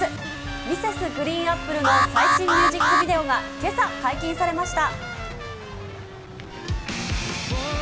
Ｍｒｓ．ＧＲＥＥＮＡＰＰＬＥの最新ミュージックビデオがけさ解禁されました。